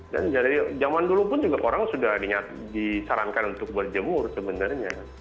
dan dari zaman dulu pun juga orang sudah disarankan untuk berjemur sebenarnya